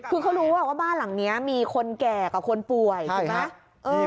คือเขารู้ว่าบ้านหลังนี้มีคนแก่กับคนป่วยถูกไหม